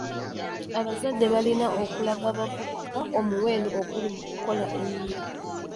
Abazadde balina okulaga abavubuka omuwendo oguli mu kukola ennyo.